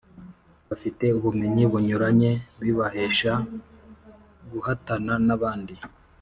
bafite ubumenyi bunyuranye bibahesha guhatana n’abandi